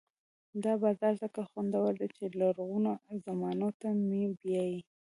دا بازار ځکه خوندور دی چې لرغونو زمانو ته مې بیايي.